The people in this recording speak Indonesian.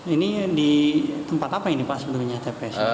ini di tempat apa ini pak sebenarnya tps